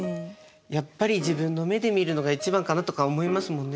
やっぱり自分の目で見るのが一番かなとか思いますもんね